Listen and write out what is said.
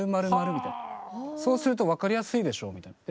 「そうすると分かりやすいでしょう」みたいな。